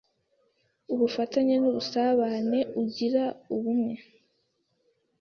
ubufatanye n’ubusabane u gira u b u m we,